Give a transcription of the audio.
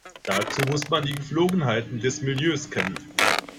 Dazu muss man die Gepflogenheiten des Milieus kennen.